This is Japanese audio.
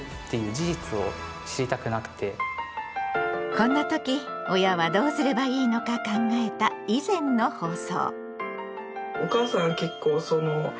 こんな時親はどうすればいいのか考えた以前の放送。